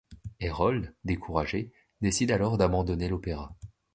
Hérold, découragé, décide alors d’abandonner l’opéra.